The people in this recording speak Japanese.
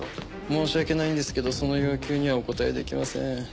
申し訳ないんですけどその要求にはお応えできません。